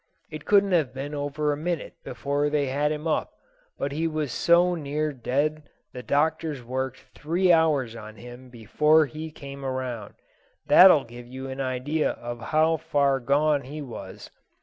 It couldn't have been over a minute before they had him up, but he was so near dead the doctors worked three hours on him before he came around. That'll give you an idea of how far gone he was."